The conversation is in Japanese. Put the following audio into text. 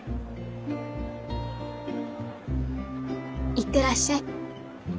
行ってらっしゃい。